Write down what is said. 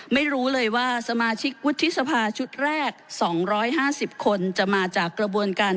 ไม่รู้เลยว่าสมาชิกวุฒิสภาชุดแรก๒๕๐คนจะมาจากกระบวนการ